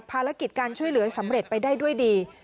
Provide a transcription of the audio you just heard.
ภารกิจการช่วยเหลือสำเร็จไปได้ด้วยดี